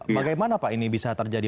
bagaimana pak ini bisa terjadi